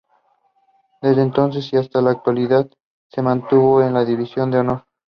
Desde entonces y hasta la actualidad se mantuvo en la División de Honor.